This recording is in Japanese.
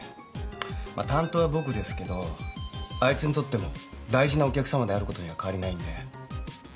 まあ担当は僕ですけどあいつにとっても大事なお客さまであることには変わりないんで。